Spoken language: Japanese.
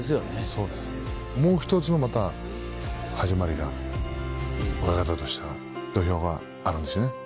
そうですもう一つのまた始まりが親方としては土俵があるんですよね。